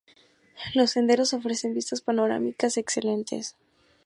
Los senderos ofrecen vistas panorámicas excelentes.